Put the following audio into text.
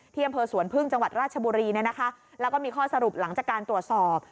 อำเภอสวนพึ่งจังหวัดราชบุรีเนี่ยนะคะแล้วก็มีข้อสรุปหลังจากการตรวจสอบ